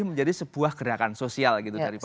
lebih menjadi sebuah gerakan sosial gitu